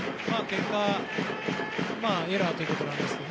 結果エラーということなんですけど。